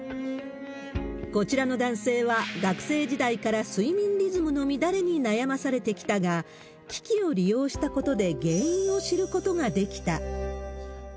こちらの男性は、学生時代から睡眠リズムの乱れに悩まされてきたが、機器を利用したことで原因を知ることができた。